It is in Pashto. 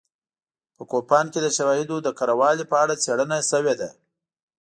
په کوپان کې د شواهدو د کره والي په اړه څېړنه شوې ده